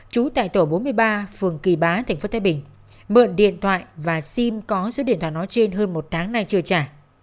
chú tại tổ bốn mươi ba phường kỳ bá tp thái bình mượn điện thoại và sim có giữa điện thoại nói trên hơn một tháng nay chưa trả